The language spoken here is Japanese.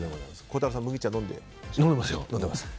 孝太郎さん、麦茶飲んでますか？